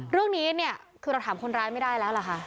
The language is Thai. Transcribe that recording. เรื่องนี้เราถามคนร้ายไม่ได้แล้วล่ะคะ